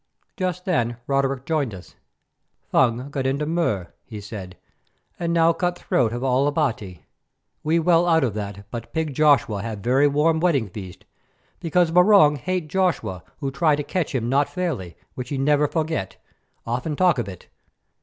Just then Roderick joined us. "Fung got into Mur," he said, "and now cut throat of all Abati. We well out of that, but pig Joshua have very warm wedding feast, because Barung hate Joshua who try to catch him not fairly, which he never forget; often talk of it."